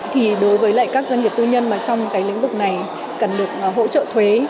thì đối với lại các doanh nghiệp tư nhân mà trong cái lĩnh vực này cần được hỗ trợ thuế